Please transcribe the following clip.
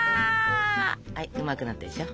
はいうまくなったでしょ。